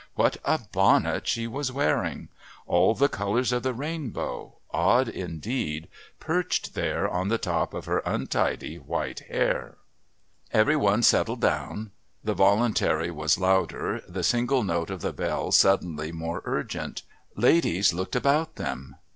What a bonnet she was wearing! All the colours of the rainbow, odd, indeed, perched there on the top of her untidy white hair! Every one settled down; the voluntary was louder, the single note of the bell suddenly more urgent. Ladies looked about them.